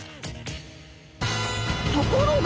ところが！